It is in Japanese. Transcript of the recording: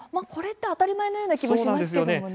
これって当たり前のような気もしますけどもね。